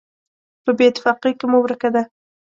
په بېاتفاقۍ کې مو ورکه ده.